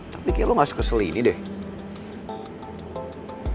tapi kayak lo gak sekesel ini deh